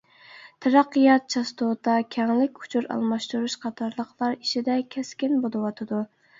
تەرەققىيات چاستوتا، كەڭلىك، ئۇچۇر ئالماشتۇرۇش قاتارلىقلار ئىچىدە كەسكىن بولۇۋاتىدۇ.